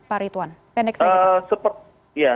pak ritwan pendek saja